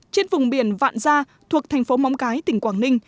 trên vùng biển vạn gia thuộc thành phố móng cái tỉnh quảng ninh